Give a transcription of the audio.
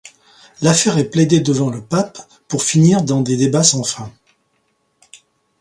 L'affaire est plaidée devant le pape pour finir dans des débats sans fin.